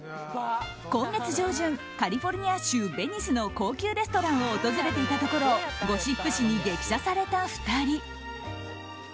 今月上旬カリフォルニア州ベニスの高級レストランを訪れていたところをゴシップ誌に激写された２人。